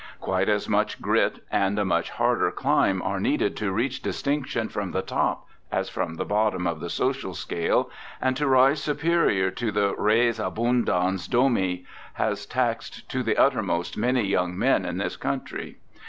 Quite as much grit and a much harder climb are needed to reach distinction from the top as from the bottom of the social scale, and to rise superior to the res abundans domi has taxed to the uttermost many young men in this country.